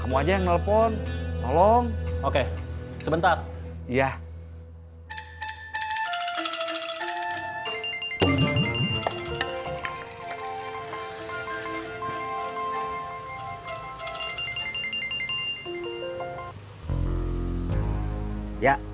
sampai jumpa di video selanjutnya